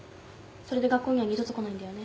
それで学校には二度と来ないんだよね？